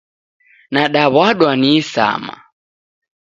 Nadaw'adwa ni isama